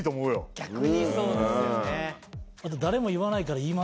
逆にそうですよね。